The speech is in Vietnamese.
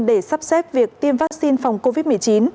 để sắp xếp việc tiêm vaccine phòng covid một mươi chín